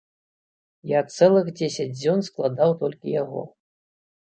Я цэлых дзесяць дзён складаў толькі яго.